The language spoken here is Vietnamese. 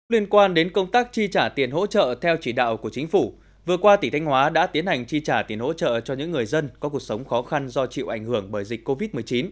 liên quan đến công tác chi trả tiền hỗ trợ theo chỉ đạo của chính phủ vừa qua tỉ thanh hóa đã tiến hành chi trả tiền hỗ trợ cho những người dân có cuộc sống khó khăn do chịu ảnh hưởng bởi dịch covid một mươi chín